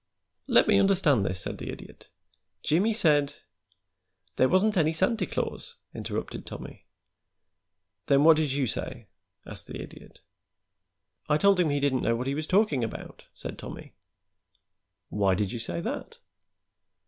"Let me understand this," said the Idiot. "Jimmie said " "There wasn't any Santy Claus," interrupted Tommy. "Then what did you say?" asked the Idiot. "I told him he didn't know what he was talking about," said Tommy. "Why did you say that?"